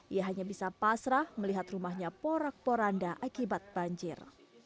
ia hanya bisa pasrah melihat rumahnya porak poranda akibat banjir